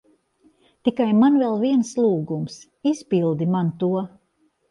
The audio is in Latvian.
Tikai man vēl viens lūgums. Izpildi man to.